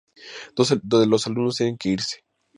Dos de los alumnos tienen que irse.